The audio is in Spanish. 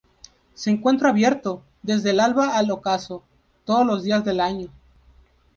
Se encuentra abierto, desde el alba al ocaso, todos los días del año.